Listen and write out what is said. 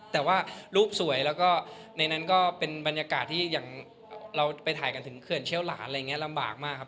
แต่ว่ารูปสวยแล้วก็ในนั้นก็เป็นบรรยากาศที่อย่างเราไปถ่ายกันถึงเขื่อนเชี่ยวหลานอะไรอย่างนี้ลำบากมากครับ